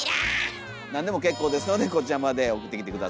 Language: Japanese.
何でも結構ですのでこちらまで送ってきて下さい。